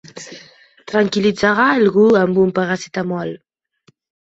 Tranquil·litzarà algú amb un Paracetamol.